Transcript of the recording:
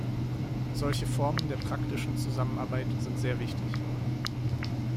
Solche Formen der praktischen Zusammenarbeit sind sehr wichtig.